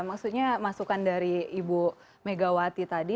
maksudnya masukan dari ibu megawati tadi